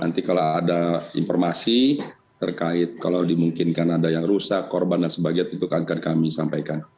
nanti kalau ada informasi terkait kalau dimungkinkan ada yang rusak korban dan sebagainya itu akan kami sampaikan